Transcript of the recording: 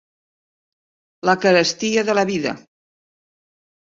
La carestia de la vida.